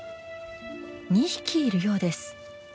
２匹いるようです。